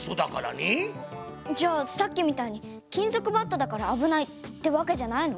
じゃさっきみたいに金ぞくバットだからあぶないってわけじゃないの？